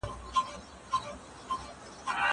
زه له سهاره پلان جوړوم!!